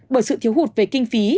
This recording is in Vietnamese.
bởi sự thiếu hụt về kinh phí